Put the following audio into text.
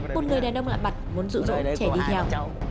một người đàn ông lạ mặt muốn rủ rỗ trẻ đi theo